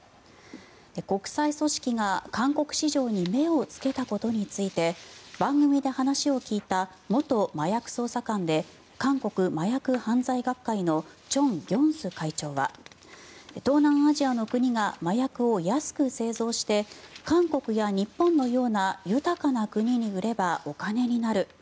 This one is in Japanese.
国際組織が韓国市場に目をつけたことについて番組で話を聞いた元麻薬捜査官で韓国麻薬犯罪学会のチョン・ギョンス会長は東南アジアの国が麻薬を安く製造して韓国や日本のような豊かな国に売ればお金になる。